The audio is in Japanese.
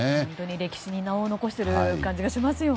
歴史に名を残している感じがしますよね。